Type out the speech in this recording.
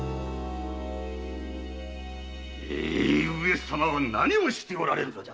上様は何をしておられる！